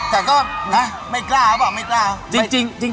แต่ก็ไม่กล้าหรือเปล่าไม่กล้าหรือเปล่า